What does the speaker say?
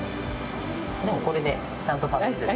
もうこれでちゃんと食べてます。